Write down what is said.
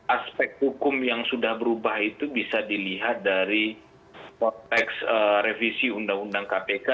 aspek hukum yang sudah berubah itu bisa dilihat dari konteks revisi undang undang kpk